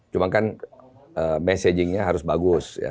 cuma kan messagingnya harus bagus ya